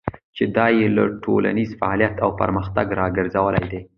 چې دا يې له ټولنيز فعاليت او پرمختګه راګرځولې ده.